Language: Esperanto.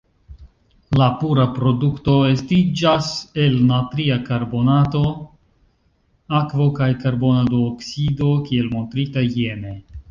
La pura produkto estiĝas el natria karbonato, akvo kaj karbona duoksido kiel montrita jene.